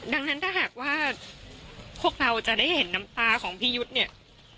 ดังนั้นถ้าหากว่าพวกเราจะได้เห็นน้ำตาของพี่ยุทธ์เนี่ย